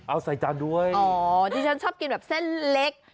เอาใส่จานด้วยอ๋อดิฉันชอบกินแบบเส้นเล็ก